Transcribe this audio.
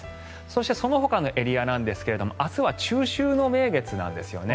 そして、そのほかのエリアですが明日は中秋の名月なんですね。